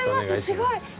すごい。